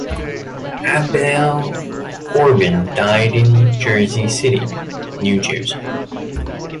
Abel Corbin died in Jersey City, New Jersey.